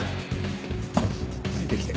ついてきて。